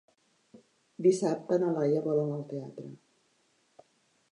Dissabte na Laia vol anar al teatre.